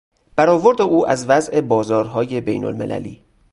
برآورد او از وضع بازارهای بینالمللی